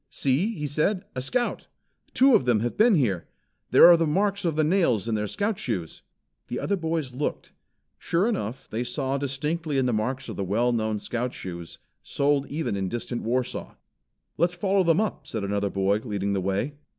"See!" he said. "A Scout! Two of them have been here. There are the marks of the nails in their Scout shoes." The other boys looked. Sure enough they saw distinctly the marks of the well known Scout shoes, sold even in distant Warsaw. "Let's follow them up," said another boy, leading the way.